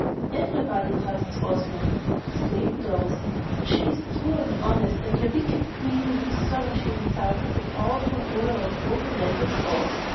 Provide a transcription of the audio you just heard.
"Ev'rybody trusts Ozma," exclaimed Dorothy. "She is true and honest, and your wicked Queen will be sorry she insulted the powerful Ruler of all the Land of Oz."